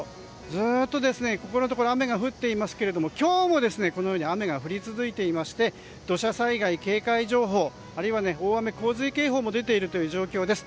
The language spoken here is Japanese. ずっとここのところ雨が降っていますが今日もこのように雨が降り続いていまして土砂災害警戒情報あるいは大雨・洪水警報も出ている状況です。